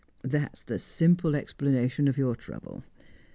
That's the simple explanation of your trouble.